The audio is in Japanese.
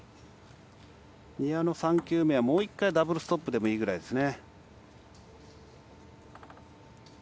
丹羽の３球目はもう１回ダブルストップでもいいくらいですね。